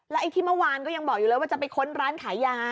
ไอ้ที่เมื่อวานก็ยังบอกอยู่เลยว่าจะไปค้นร้านขายยา